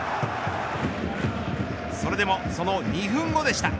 それでもその２分後でした。